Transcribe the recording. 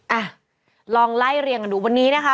อ่ะลองไล่เรียงกันดูวันนี้นะคะ